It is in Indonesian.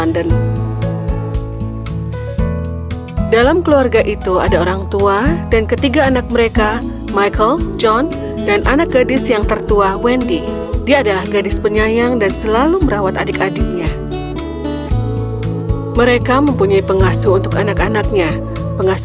dunging bahasa indonesia